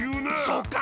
そうか。